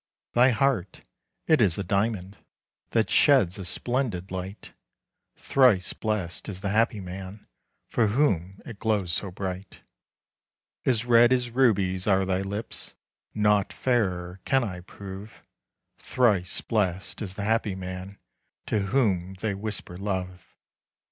Thy heart, it is a diamond, That sheds a splendid light. Thrice blessed is the happy man For whom it glows so bright. As red as rubies are thy lips, Naught fairer can I prove. Thrice blessed is the happy man To whom they whisper love.